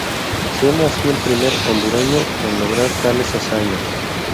Siendo así el primer hondureño en lograr tales hazañas.